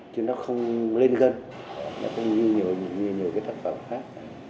chứ nó không lên gần nó cũng như nhiều cái tác phẩm khác